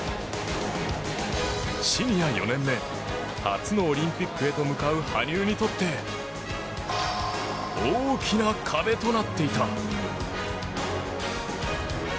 シニア４年目初のオリンピックへと向かう羽生にとって大きな壁となっていた。